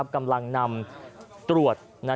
กำลังนำตรวจ